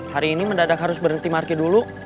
hari ini mendadak harus berhenti marki dulu